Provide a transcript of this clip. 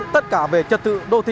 tất cả về trật tự đô thị